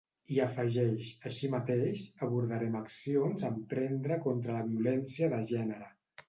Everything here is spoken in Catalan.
I afegeix: Així mateix, abordarem accions a emprendre contra la violència de gènere.